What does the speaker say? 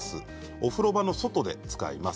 お風呂場の外で使います。